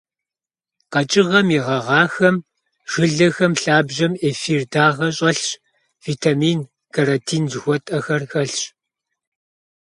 Къэкӏыгъэм и гъэгъахэм, жылэхэм, лъабжьэм эфир дагъэ щӏэлъщ, витмаин, каротин жыхуэтӏэхэр хэлъщ.